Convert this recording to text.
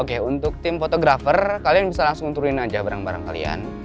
oke untuk tim fotografer kalian bisa langsung turunin aja barang barang kalian